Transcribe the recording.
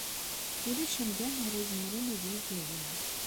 Ulac amdan ara izemren ad yeg aya.